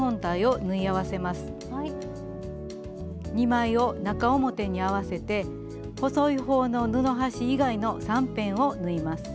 ２枚を中表に合わせて細い方の布端以外の３辺を縫います。